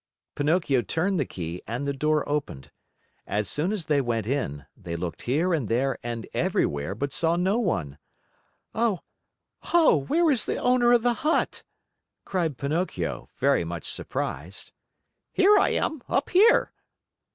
Pinocchio turned the key and the door opened. As soon as they went in, they looked here and there and everywhere but saw no one. "Oh ho, where is the owner of the hut?" cried Pinocchio, very much surprised. "Here I am, up here!"